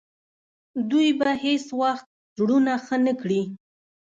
دوی به هیڅ وخت زړونه ښه نه کړي.